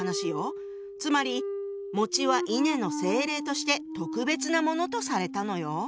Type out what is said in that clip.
つまりは稲の精霊として特別なものとされたのよ。